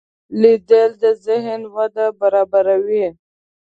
لیدل د ذهن وده برابروي